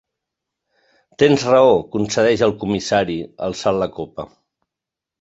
Tens raó —concedeix el comissari, alçant la copa—.